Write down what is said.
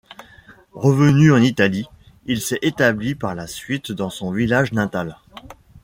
Revenu en Italie, il s’est établi par la suite dans son village natal.